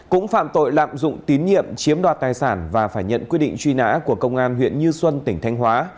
cũng phạm tội lạm dụng tín nhiệm chiếm đoạt tài sản và phải nhận quyết định truy nã của công an huyện như xuân tỉnh thanh hóa